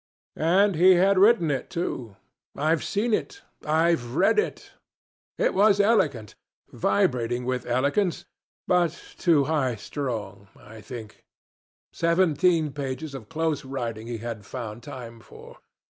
And he had written it too. I've seen it. I've read it. It was eloquent, vibrating with eloquence, but too high strung, I think. Seventeen pages of close writing he had found time for!